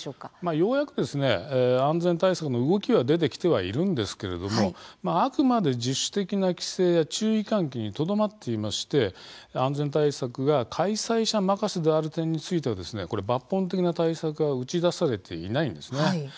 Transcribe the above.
ようやく安全対策の動きは出てきてはいるんですけれどもあくまで自主的な規制や注意喚起にとどまっていまして安全対策が開催者任せである点については抜本的な対策は打ち出されていないんですね。